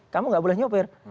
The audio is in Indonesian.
kamu gak boleh nyepir